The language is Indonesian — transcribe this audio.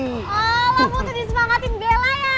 oh lo butuh disemangatin bella ya